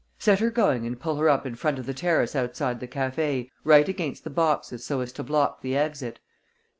"Set her going and pull her up in front of the terrace outside the café, right against the boxes so as to block the exit.